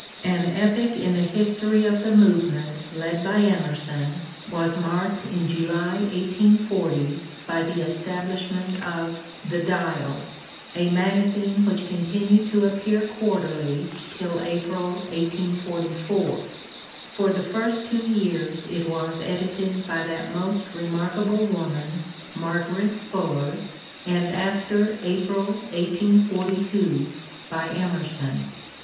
An epoch in the history of tibe movement led by Emerson was marked in July 1840 by the establishment of The Dial, a magazine which continued to appear quarterly till April 1844. For the first two years it was edited by that most remarkable woman Margaret Fuller, and after April 1842 by Emerson.